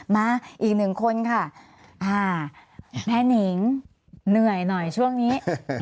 มาอีกหนึ่งคนค่ะแม่นิงเหนื่อยหน่อยช่วงนี้